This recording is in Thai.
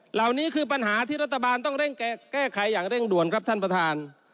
เหล่านี้คือปัญหาที่รัฐบาลต้องเร่งแก้ไขอย่างเร่งด่วนครับท่านประธาน